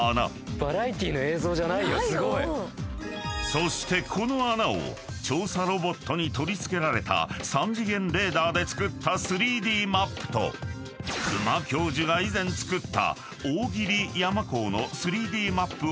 ［そしてこの穴を調査ロボットに取り付けられた３次元レーダーで作った３Ｄマップと久間教授が以前作った］